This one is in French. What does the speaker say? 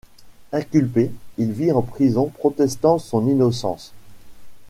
Inculpé, il vit en prison protestant de son innocence.